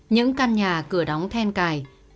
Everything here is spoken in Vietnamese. những căn nhà cửa đóng then cánh